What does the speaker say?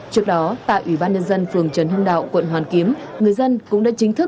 trước đó tại ủy ban nhân dân